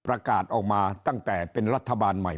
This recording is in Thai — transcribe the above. ประกาศออกมาตั้งแต่เป็นรัฐบาลใหม่